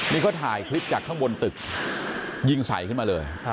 นี่เขาถ่ายคลิปจากข้างบนตึกยิงใส่ขึ้นมาเลย